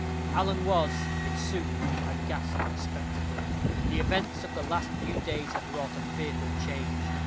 Alan was, in sooth, a ghastly spectacle. The events of the last few days had wrought a fearful change.